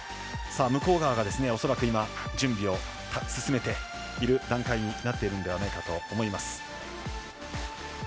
向川が恐らく今準備を進めている段階になっているんじゃないかと思います。